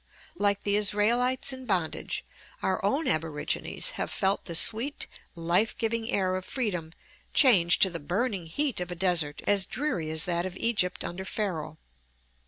Like the Israelites in bondage, our own aborigines have felt the sweet life giving air of freedom change to the burning heat of a desert as dreary as that of Egypt under Pharaoh.